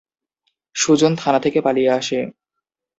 সুজন থানা থেকে পালিয়ে আসে।